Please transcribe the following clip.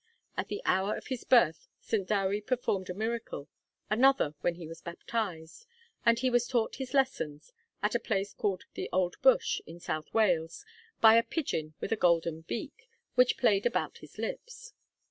At the hour of his birth St. Dewi performed a miracle; another when he was baptized; and he was taught his lessons (at a place called The Old Bush, in South Wales) by a pigeon with a golden beak, which played about his lips.